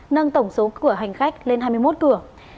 nâng tổng số cửa hành khách lên hai mươi một cửa